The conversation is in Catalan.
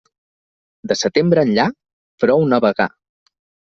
De setembre enllà, prou navegar.